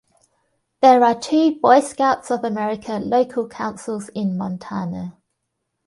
There are two Boy Scouts of America local councils in Montana.